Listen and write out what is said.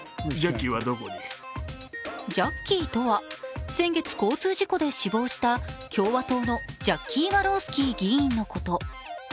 ジャッキーとは先月、交通事故で死亡した共和党のジャッキー・ワロースキー議員のこと。